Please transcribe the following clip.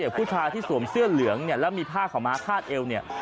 ผู้ชายที่สวมเสื้อเหลืองเนี่ยแล้วมีผ้าขาวม้าคาดเอวเนี่ย